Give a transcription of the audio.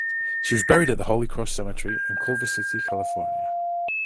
She was buried at the Holy Cross Cemetery in Culver City, California.